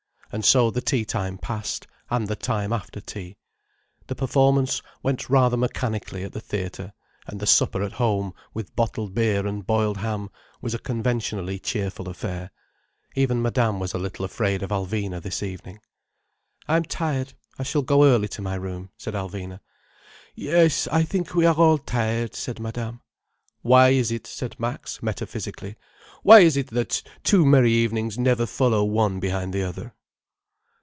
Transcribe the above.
And so the tea time passed, and the time after tea. The performance went rather mechanically, at the theatre, and the supper at home, with bottled beer and boiled ham, was a conventionally cheerful affair. Even Madame was a little afraid of Alvina this evening. "I am tired, I shall go early to my room," said Alvina. "Yes, I think we are all tired," said Madame. "Why is it?" said Max metaphysically—"why is it that two merry evenings never follow one behind the other."